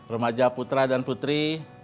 remaja putra dan putri